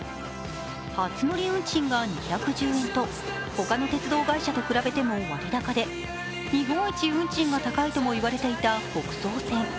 初乗り運賃が２１０円と他の鉄道会社と比べても割高で日本一運賃が高いとも言われていた北総線。